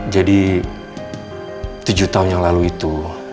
jadi tujuh tahun yang lalu itu